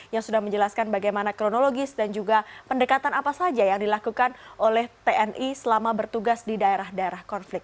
yang sudah menjelaskan bagaimana kronologis dan juga pendekatan apa saja yang dilakukan oleh tni selama bertugas di daerah daerah konflik